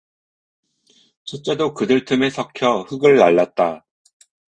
첫째도 그들 틈에 섞여 흙을 날랐다.